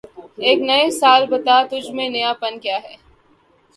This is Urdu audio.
اے نئے سال بتا، تُجھ میں نیا پن کیا ہے؟